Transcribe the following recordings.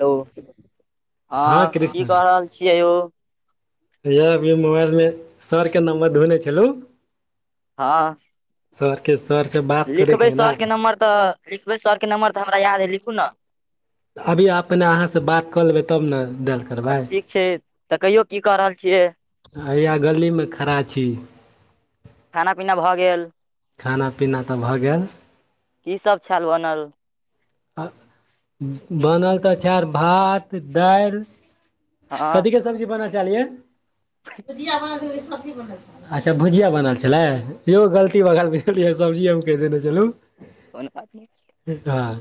Hello हँ की क रहल छियै यौ? हइया अभी हम मोबाइलमे सरके नम्बर ढूंढै छलूं। हँ सर के सर से बात लिखबै करयके हइ ने सरके नम्बर तऽ लिखबै सरके नम्बर तऽ हमरा याद अइ लिखू न। अभी आब पहिले अहाॅं से बात कऽ लेबै तब ने डायल हँ करबै। ठीक छै तऽ कहियो की क रहल छियै। हइया गलीमे खड़ा छी। खाना पीना भऽ गेल। खाना पीना तऽ भऽ गेल। की सब छल बनल? आ बनल तऽ छैर भात, दालि कथीे के स हँ कथी के सब्जी बनल छेल यै भुजिया बनल छेले सब्जी बनल छलै आच्छा भुजिया बनल छलै। ईहो गलती भगैल बुझलियै सब्जी हम कहि देने छलूं। कोनो बात नहि केकर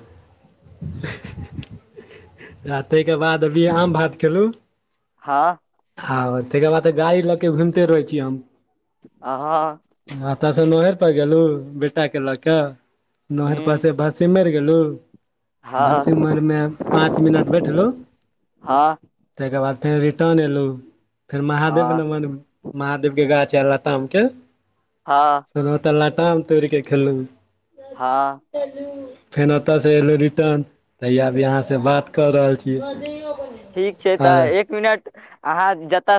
हे हे हे हे आ ताहिके बाद अभी आम भात खेलु। हँ ह आ तइके बाद तऽ गाड़ी लऽ के घुमिते रहै छी हम। आ हॅं अतऽसे नोहेर पर गेलु बेटा के लऽ के नोहेर पर हूँ से भस सिमरि गेलू। हँ भटसिमरि मे पाँच मिनट बैठलो। हँ ताहिके बाद फेर रिटर्न एलू फेर महादेव हँ न बन महादेव के गाछ आ लताम के हँ तहन ओत लताम तोड़ि के खेलौं। हँ फेन ओतऽ से एतै एलौं रिटर्न त येह अहां से बात कऽ रहल छी। ठीक छै, आओर तऽ एक मिनट अहाँ जतऽ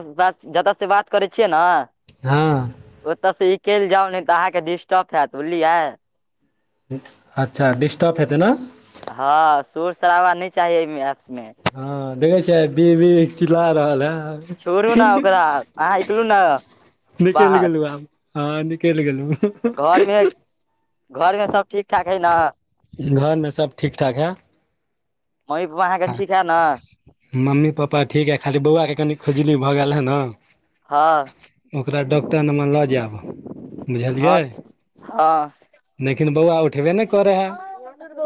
जतऽ से बात करै छियै ने हँ। ओतऽ से निकलि जाउ नै तऽ अहाँके डिस्टर्ब हेएत बुझलियै अच्छा डिस्टर्ब हेतै ने हँ, शोर शराबा नहि चाही एहि मे एप्स में हँ, देखै छै बी बी चिल्ला रहल छोड़ू हें, ने ओकरा अहाँ निकलू ने निकलि बाहर गेलौ आब। हँ निकलि गेलौ। घरमे घरमे सब ठीक ठाक अइ न? घरमे सब ठीक ठाक हइ। मम्मी पापा अहाँके ठीक हें न? मम्मी पप्पा ठीक अइ खाली बौआके कनि खूजली भऽ गेल हे ने हँ ओकरा डॉक्टर लमन लऽ जायब हँ बुझलियै। हँ। लेकिन बौआ उठबे नै करै हए।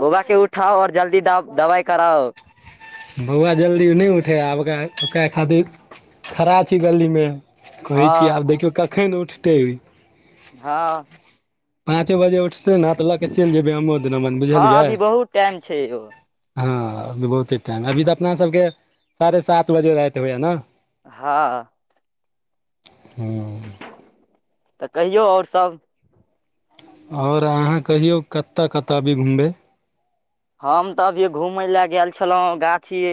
बौवा के उठाउ और जल्दी द दवाइ कराउ। बौआ जल्दी नहि उठै ये आब ओकरा ओकरा खातिर खड़ा छी गलीमे कहै छी हँ आब देखियौ कखन उठतै। हँ। पाँचे बजे उठतै ने तऽ लऽ के चलि जेबै हमो द नमन हँ बुझलियै अभी बहुत टाइम छै यौ हँ अभी बहुते टाइम अभी तऽ अपना सबके साढ़े सात बजे राति होइये ने, हँ। हँ। तऽ कहियौ आओर सब। आओर अहाँ कहियौ कतऽ कतऽ अभी घुमबै? हम तऽ अभी घूमय लए गेल छलहुँ गाछी,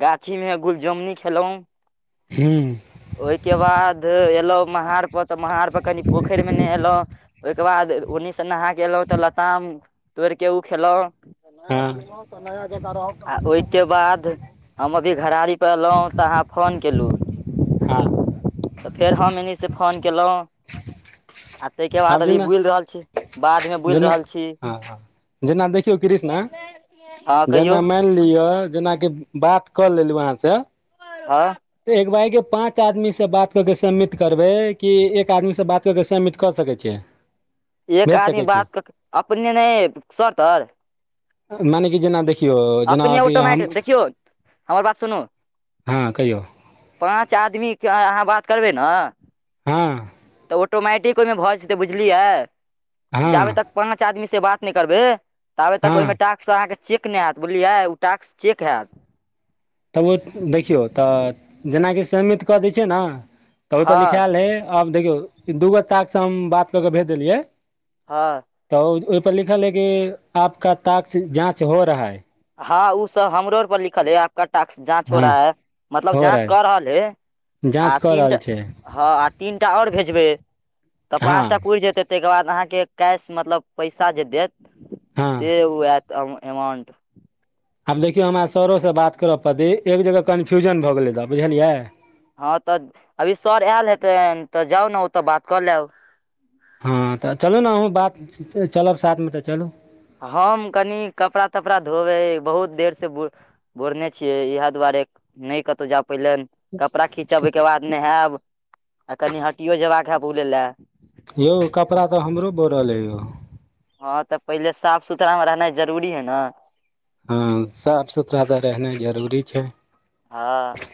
गाछी में गुलजमनी खेलहुॅं। हू। ओहिके बाद एलहुं महार पर तऽ महार पर कनि पोखरि मे नेहेलहुं, ओहिके बाद ओन्नी से नहा के एलहुँ तऽ लताम तोड़ि के ओ खेलहुँ। नया हँ जुड़लहु तऽ नया जकां रहब, ओहिके बाद हम अभी घरारी उतरलौं त अहां फ़ोन केलू हँ त फेर हम एनी से फोन केलहुं आ तहिके बाद आब अभी जेना बुलि रहल छी बाध मे बुलि जेना रहल छी। हँ, जेना देखियौ कृष्णा हँ कहियौ जेना मानि लिअ जेनाकि बात कऽ लेलु अहाँ से, आँ। त एक बाइगे पाँच आदमी से बात कऽ के सम्मित करबै कि एक आदमी से बात कऽ के सम्मिट कऽ सकै छियै। एक भेज आदमी सकै बात क छियै क अपने नै सर तर मने कि जेना देखि अपने ऑटोमट देखियौ हमर बात सुनू हँ कहियौ पाँच आदमीके अहाँ बात करबै न। हाँ तऽ ऑटोमेटिक ओहिमे भऽ जेत तऽ, बुझलियै हँ चाहबए त पांच आदमी से बात नहि करबे, त आबे तक हँ ओहिमे टक्स अ के चेक नहि हयत बुझलियए, ओ टैक्स चेक हयैत। तब ओ देखियौ तऽ जेनाकि सबमिट कऽ दै छियै ने तऽ हँ ओहिपर लिखा लये आब देखियौ दूगो टास्क से हम बात क के भेज देलियै हां तऽ ओहिपर लिखल है कि आपका तास्क जाँच हो रहा है। हाँ, ओ सब हमरो र पर लिखल है, कि आपका टास्क जाँच हो हँ रहा है मतलब हो जाँच क रहै रहल है। आ जाँच कऽ रहल तीनटा, छै हाँ आ तीनटा आओर भेजबै तऽ पाँच हँ टा पुर जेतै ताहिके बाद अहाँके कैश मतलब पैसा जे देत हँ से ओ आयत आ अमाउंट आब देखियौ हमरा सरोसँ बात करब प एक जगह कन्फ्यूजन भऽ गेलै रहऽ बुझलियै? हँ, तऽ अभी सर आयल हेतै, तऽ जाउ ने ओ तऽ बात कऽ लेब हाँ, तऽ चलू ने अहूँ बात चलब साथमे तऽ चलू हम कनि कपड़ा तपड़ा धोबै बहुत देर से ब बोरने छियै इएह दुआरे नहि कतहु जा पाइलन। कपड़ा खीचबै के बाद नहायब, आ कनि हटियो जयबाक हैब बुलै लए यौ कपड़ा तऽ हमरो बोरल अइ यौ हँ, तऽ पहिले साफ सुथरा मे रहनाइ जरूरी है ने। हाँ, साफ सुथरा तऽ रहनाइ जरूरी छै। हाँ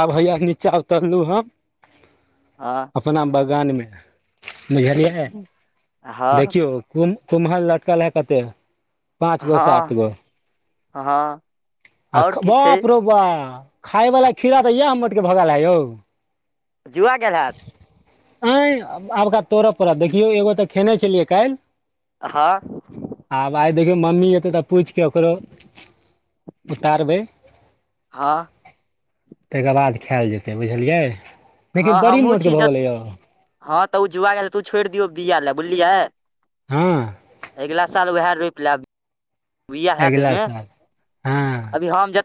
आब [unintelligible] हैया नीचा उतरलु हम आँ। अपना बगानमे बुझलियै हँ देखियौ कुम कुम्हल लटकाल है कते पाँच गो सात गो हँ हँ आ आओर की छै बापरो खाय वला खीरा तऽ यह हम मोटके भगा ला यौ जुआके खेलयैत आयें आबका तोड़य पड़त देखियौ एगो तऽ खेने छलियै काल्हि हाँ आब आइ देखियौ मम्मी एतै तऽ पुछिके ओकरो उतारबै हां ताहिके बाद खायएल जेतै बुझलियै हँ लेकिन बड़ी हमहुँ छी मोटके ज भऽ गेलै यौ हँ, तऽ ओ जुआ गेल, तू छोड़ि दियौ बीया लए बुझलियै? हाँ अगिला साल उएह रोपि लेब बिआ हत अगिला ओहिमे साल हँ अभी हम ज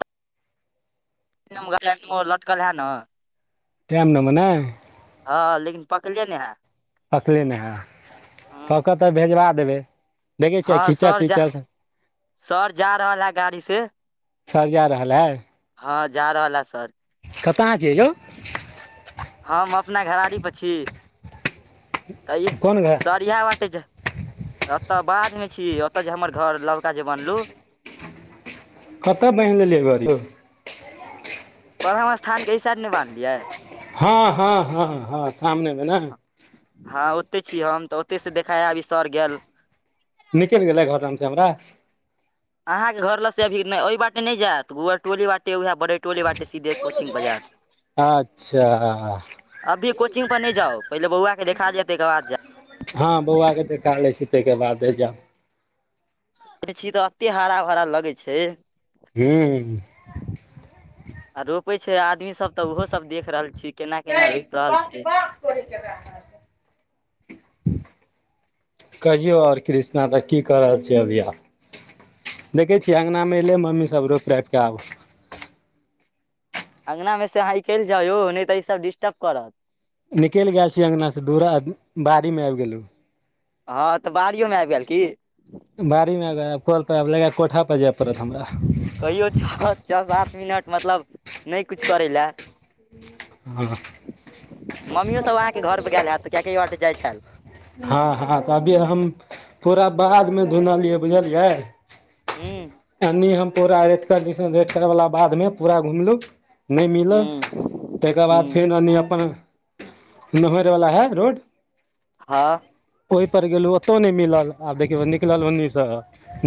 [unintelligible] लटकल है ने। टाइम नाम ने हँ, लेकिन पकड़ियै नेहाँ तकले [unintelligible] ने है कऽ कऽ तऽ भेजबा देबै। देखै छियै हँ, खिचऽ सर जा- पिचऽ सर जा रहल है गाड़ी से। सर जा रहल है? हँ, जा रहल ह सर। कतय छियै यौ? हम अपना घरारी पर छी त इ कोन घर स इह बाटे जा एतऽ बाध में छी ओतऽ जे हमर घर लबका जे बनलू कतऽ बान्हि लेलियै घड़ यो ब्रह्मस्थान के एहि साड नहि बान्हलियै हँ- हँ- हँ - हँ सामनेमे ने। हँ, ओते छी हम तऽ ओते से देखाय अभी सर गेल। निकलि गेलै घरमे से हमरा अहाँ के घर ल से अभी ने ओहि बाटे नहि जायत गुअर टोली बाटे उएह बड़े टोली बाटे सीधे कोचिंग पर जायत अच्छा अभी कोचिंग पर नहि जाउ पहिले बौआ के देखााय दियऽ तैयके बाद जायब हँ, बौआ के देखा लै छी तैयके बादे जायब देखै छी तऽ एते हरा भरा लगै छै, हू। आ रोपे छै आदमी सब तऽ ओहो सब देख रहल छै। केना गै केना रोपि रहल कहलके बात करै छै ओकरा संगे। कहियऔ और कृष्णा तऽ की क रहल छियै अभी आ देखै छियै अँगनामे एयलै मम्मीसभ रोपि रापि कऽ आब अङ्गना मे से अहाँ इकाल्हि जाऊ यो नै तऽ ई सब डिस्टप करत निकलि गैल छी अगंना से दूरा, बाड़ी मे आबि गेलहुँ। हँ, तऽ बाड़ियोमे आबि गेल की। बाड़ी मे अगर कल परब लग कोठा पर जाय पड़त हमरा। कहियो छ- छ सात मिनट मतलब नहि कुछु करै लए। हँ मम्मियो सब अहाँके घर पर गैल हैत, कियाकि अय बाटे जाइ छल। हँ- हँ, तऽ अभी हम पूरा बादमे धुनलियै बुझलियै। हूँ यन्नी हम पूरा एकर दिसन एकर बला बाधमे पूरा घुमलहुँ। नहि मिलल हूँ ताहिकर बाद हूँ फेर एनि अपन नहरवला हइ रोड हँ। ओहि पर गेलु ओतो न मिलल आब देखिय निकल ओनी से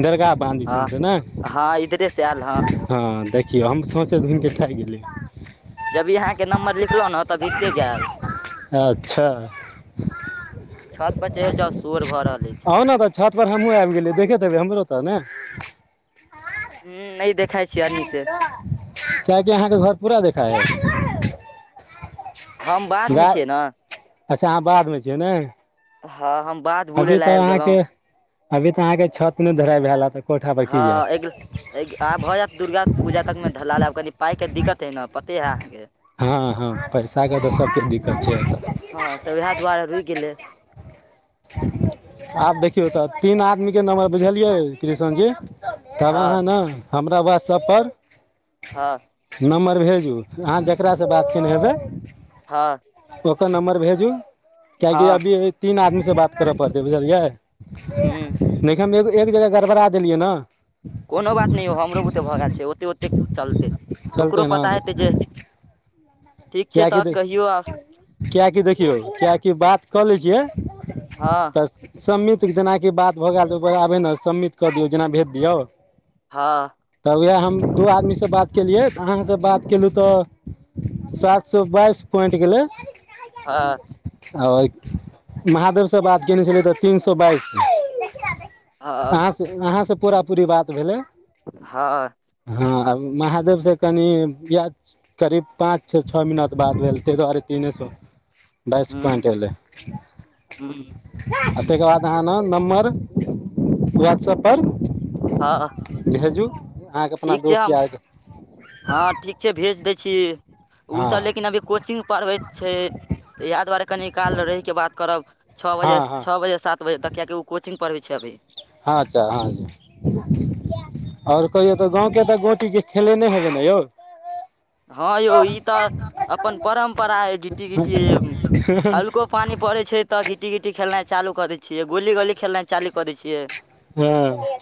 दरगा बांहन दिसन हँ से ने, हँ इधरे से आयल हँ देखियौ हम सोचे रहनि कतऽ गेलय जबी अहाँके नम्बर लिखलहु ने तभीे ते गैल अच्छा छत पर चढ़ि जाउ सोर भऽ रहल अछि। छत पर हमहूँ आबि गेलियै देखे देबै हमरो तऽ ने हूं नै देखाय छैय अनि से कियाकि अहाँके घर पूरा देखा हय हम बाध में गा छियै ने अच्छा अहाँ बाधमें छियै ने हँ हम बाध बुलै अभी लए तऽ आबि गेलहुँ अहाँके अभी तऽ अहाँके छत नै ढलाय भेल हैत हँ, एगला आब भऽ जायत दुर्गा पूजा तक में ढलाल आब कनि पाइके दिक्कत हइ ने पते हइ अहाँके हँ - हँ, पैसाके तऽ सबके दिक्कत छै। रुइक गेलै। आब देखियौ तऽ तीन आदमी के नम्बर बुझलियै कृष्ण जी तब अहाँ हँ ने हमरा वाट्सएप पर हँ। नम्बर भेजू अहाँ जकरासँ बात केने हेबै हँ। ओकर नम्बर भेजू कियकि हँ अभी तीन आदमी से बात करऽ पड़तै बुझलियै हूँ नहि हम एक जगह गड़बड़ा देलियै ने। कोनो बात नहि यौ हमरो बुते भऽ गेल छैय, ओते- ओते चलतै ओकरो चलतै पता ने हेतै जे ठीक छै किएकि तऽ कहियौ आर। किएकि देखियौ किएकि बात कऽ लै छियै हँ। तऽ सम्मिट जेनाकि बात भऽ गेलऽ आबे ने सम्मिट कऽ दियौ जेना भेज दियौ हँ। तऽ उएह हम दू आदमी से बात केलियै अहाँसँ बात केलहुँ तऽ एक सए बाइस पोइन्ट गेलै हँ आओर महादेवसँ बात कयने छलै तऽ तीन सए बाइस हँ अहाँ से, अहाँ से पूरा पूरी बात भेलै। हँ। हँ, आ महादेव से कनि य करीब पाँच छ छओ मिनट बात भेल ताहि दुआरे तीने सए बाइस पॉइंट हूँ एलै। आ हूँ तय के बाद अहाँ ने नम्बर व्हाट्सएप पर हँ। भेजू। अहाँके अपना ठीक छैय दोस्त हम यारके हँ ठीक छैय भेज दै छी ओ हँ सब लेकिन अभी कोचिंग पढ़बैत छैय तऽ इएह दुआरे कनि काल रहिके बात करब। छः बजे, हँ हँ छः बजे, सात बजे तक किएकि ओ कोचिग पढ़ै छैय अभी। अच्छा हँ जी। आओर कहियौ तऽ गाँव के तऽ गोटीके खेलेने हेबै ने यौ। हँ यौ ई तऽ अपन परम्परा अइ गिट्टी गिट्टी हल्को पानी पड़ै छैय तऽ गिट्टी-गिट्टी खेलनाय चालू कऽ दै छियै गुल्ली गोली खेलनाइ चालू क देय छियै। हँ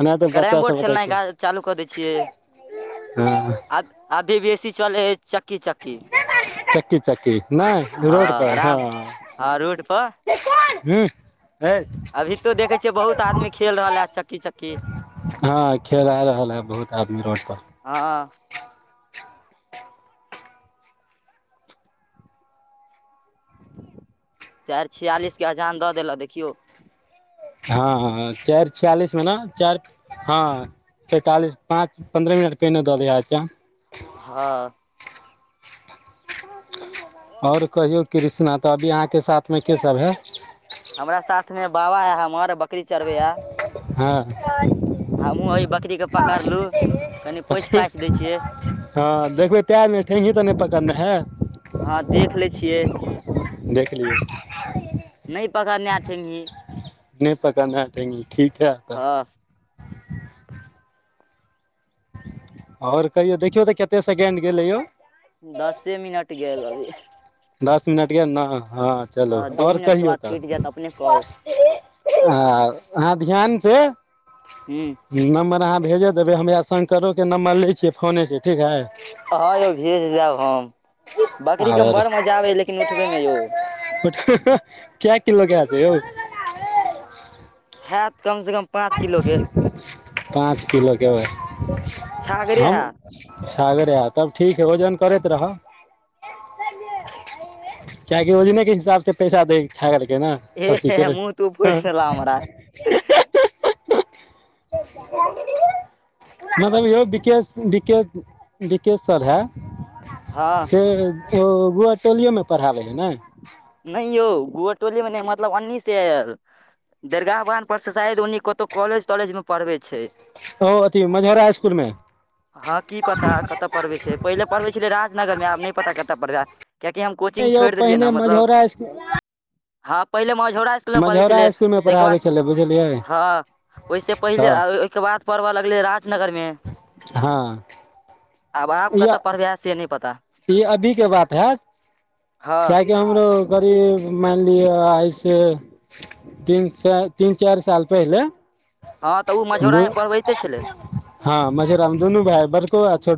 एना तऽ बच्चा कैरम सब बोर्ड [unintelligible] खेलनाइ चालू कऽ दै छियै हँ ह। आब अभी बेसी चलै अइ चक्की- चक्की। चक्की चक्की नय हँ रोड पर आराम हँ हँ रोड पर ह। हय। अभी तो देखै छियै बहुत आदमी खेल रहल हैत चक्की- चक्की। हँ खेलआ रहल है बहुत आदमी रोड पर। हँ-हँ। चारि छियालिस के अजान दऽ देलऽ देखियौ। हँ ह चारि छियालिस मे ने चारि हँ पैंतालिस पाँच पन्द्रह मिनट पहिने दिये अजान। हँ। आओर कहियौ कृष्णा तऽ अभी अहाँके साथमे के सभ हैत। हमरा साथमे बाबा हे हमर बकरी चढरबैये। अ। बकरी के पकड़लू [unintelligible] कनि पोछि पाछि दै छियै हँ देखबै [unintelligible] हँ देख लै छियै। देख लियउ। नय पकड़ने हेत ठेगही। नय पकड़ने है ठेगही, ठीक है। तऽ हँ। आओर कहियो, देखियौ तऽ कते सेकेंड गेलै यौ? दसे मिनट गेल अभी। दस मिनट गेल ने, हँ चलो हँ दू आओर मिनट के कहियौ बाद त? कटि जायत अपने कॉल आ अहाँ ध्यान से [inaudible] हुँ। नम्बर अहाँ भेजे देबै, हमरा शंकरो के नम्बर लै छियै फोने सँ ठीक है। हँ यौ भेज देब हम, बकरी के बड़ मजा आबे लेकिन उठबे मे यौ। [unintelligible] कय किलो के हाय छै यो। हैत कम से कम पाँच किलो के। पाँच किलो केबै छागरे हम हैत छागरे ह तब ठीक है, वजन करैत रहब। [inaudible] किआकि ओजने के हिसाब सँ पैसा दय है, छागर के ने। हे- खस्सी के हे मुँह तू पॉयस दले हमरा। [unintelligible] मतलब यौ बिक बिक बिकेश सर है, हँ से ओ गुअर टोलियो मे पढ़ाबै हइ ने। नय यौ गुअर टोली मे नय, मतलब अन्नी से दर्गा बगान पर से, शायद ओन्नी कतहु कॉलेज- तॉलेज मे पढ़बे छै। ओ अथी, मझौरा इसकुलमे हँ की पता कतऽ पढ़बै छै। पहिले पढ़बै छलै राजनगर में, आब नहि पता कतय पढ़बै? कियकि हम कोचिंग यौ छोड़ि देलियै ने। पहिने मतलब मझौरा हँ, पहिले मझौरा स्कूल मे पढ़ै मझौरा छलै। स्कूल मे ताहिके पढ़ाबै बाद छलै बुझलियै हँ, ओहिसँ पहिले, तऽ ओहिके बाद पड़बऽ लगलै राजनगरमे। हँ। आब आब इ कतऽ पढ़बै से नहि पता ई अभी के बात हैत, हँ कि हमरो करीब मानि लिअ ऐसे तीन चाइर, तीन चार साल पहिले हँ तऽ ओ दू मझौरामे पढ़बैते छलै। हँ, म मझोरा मे दुनू भाय, बरको आ छोट